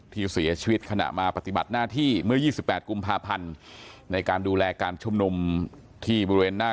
ที่เสียชีวิตขณะมาปฏิบัติหน้าที่เมื่อ๒๘กุมภาพันธ์ในการดูแลการชุมนุมที่บริเวณหน้า